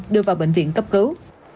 đưa vào bệnh viện cấp cứu